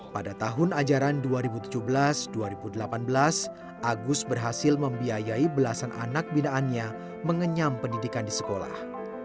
pada tahun ajaran dua ribu tujuh belas dua ribu delapan belas agus berhasil membiayai belasan anak binaannya mengenyam pendidikan di sekolah